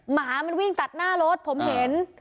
หมามันวิ่งตัดหน้ารถผมเห็น